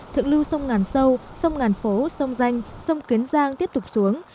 thượng lưu sông ngàn sâu sông ngàn phố sông danh sông kiến giang tiếp tục xuống